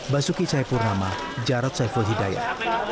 basuki caipurnama jarod saiful hidayah